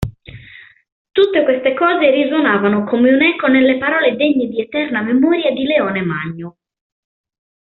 Tutte queste cose risuonavano come un'eco nelle parole degne di eterna memoria di Leone Magno.